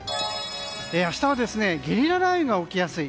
明日はゲリラ雷雨が起きやすい。